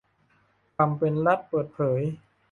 ความเป็นรัฐเปิดเผย